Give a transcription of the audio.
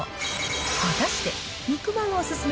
果たして、肉まんお勧め